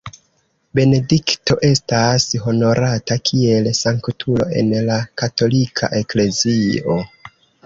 Benedikto estas honorata kiel sanktulo en la katolika eklezio.